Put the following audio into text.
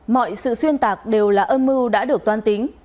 mọi sự xuyên tạc đều là âm mưu đã được toan tính